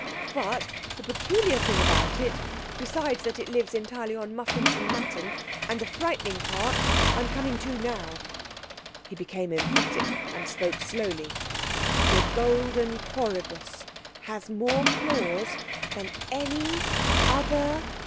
'But, the peculiar thing about it, besides that it lives entirely on muffins and mutton and the frightening part, I'm coming to now.' He became emphatic, and spoke slowly. 'The golden quoribus has more claws than any... other...